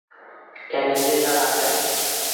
এনে দে না রাজা।